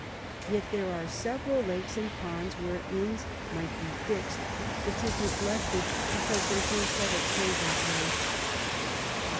Yet there are several Lakes and Ponds where Inns might be fix'd, but 'tis neglected because there's no settled Trade that way.